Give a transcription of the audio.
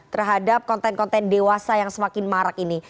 terhadap konten konten dewasa yang semakin marak ini